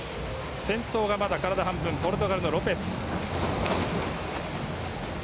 先頭はまだポルトガルのロペス。